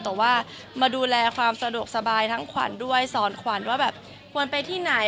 แต่ว่ามาดูแลความสะดวกสบายทั้งขวัญด้วยสอนขวัญว่าแบบควรไปที่ไหน